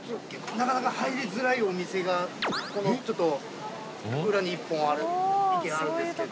なかなか入りづらいお店がこのちょっと裏に１本ある１軒あるんですけど。